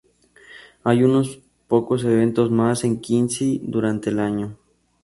Hay unos pocos eventos más en Quincy durante el año.